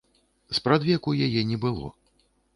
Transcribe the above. Спрадвеку яе не было.